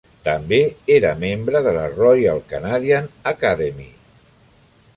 També era membre de la Royal Canadian Academy.